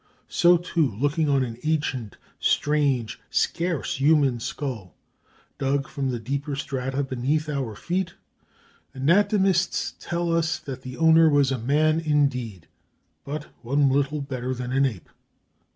So, too, looking on an ancient, strange, scarce human skull, dug from the deeper strata beneath our feet, anatomists tell us that the owner was a man indeed, but one little better than an ape.